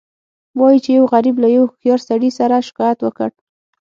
وایي چې یو غریب له یو هوښیار سړي سره شکایت وکړ.